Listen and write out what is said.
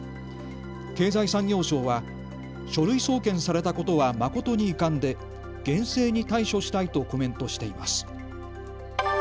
経済産業省は書類送検されたことは誠に遺憾で厳正に対処したいとコメントしています。